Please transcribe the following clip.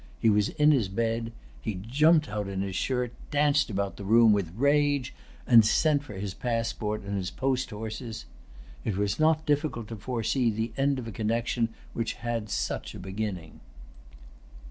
He was in his bed. He jumped out in his shirt, danced about the room with rage, and sent for his passport and his post horses. It was not difficult to foresee the end of a connection which had such a beginning.